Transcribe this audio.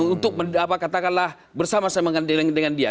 untuk apa katakanlah bersama saya mengandalkan dia